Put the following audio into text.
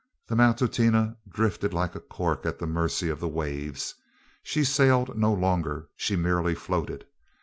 The Matutina drifted like a cork at the mercy of the waves. She sailed no longer she merely floated.